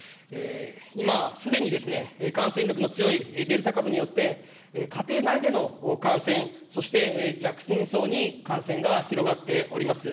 今、すでに感染力の強いデルタ株によって、家庭内での感染、そして若年層に感染が広がっております。